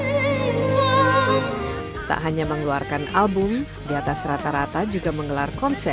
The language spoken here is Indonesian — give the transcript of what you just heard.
serta shakila dengan kemampuannya bernyanyi seriosa